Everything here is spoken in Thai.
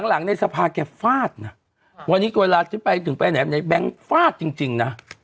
หลังในสภาแกฟาดนะวันนี้เวลาฉันไปถึงไปไหนในแบงค์ฟาดจริงนะ